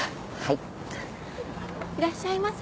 いらっしゃいませ。